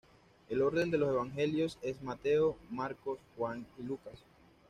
El orden de los Evangelios es Mateo, Marcos, Juan y Lucas.